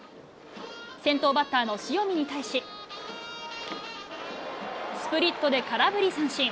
先頭バッターの塩見に対し、スプリットで空振り三振。